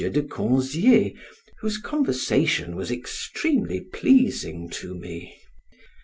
de Conzie, whose conversation was extremely pleasing to me.